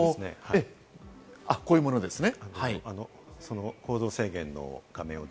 こういうものですね。